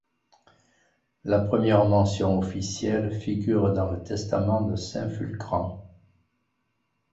La première mention officielle figure dans le testament de saint-Fulcran.